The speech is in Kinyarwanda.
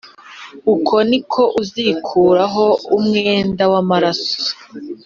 Uko ni ko uzikuraho umwenda w amaraso